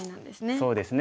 そうですね。